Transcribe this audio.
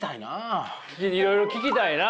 いろいろ聞きたいな。